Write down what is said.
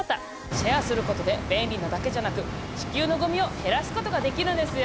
シェアすることで便利なだけじゃなく地球のごみを減らすことができるんですよ！